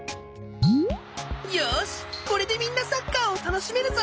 よしこれでみんなサッカーをたのしめるぞ。